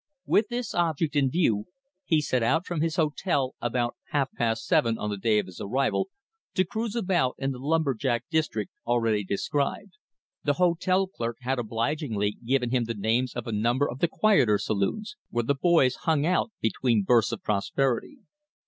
With this object in view he set out from his hotel about half past seven on the day of his arrival, to cruise about in the lumber jack district already described. The hotel clerk had obligingly given him the names of a number of the quieter saloons, where the boys "hung out" between bursts of prosperity.